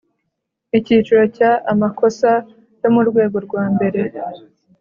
Icyiciro cya Amakosa yo mu rwego rwa mbere